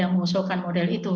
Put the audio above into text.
mengusulkan model itu